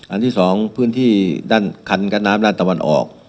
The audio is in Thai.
อันที่สองพื้นที่ด้านคันกั้นน้ำด้านตะวันออก